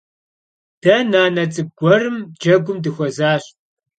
De nane ts'ık'u guerım ğuegum dıxuezaş.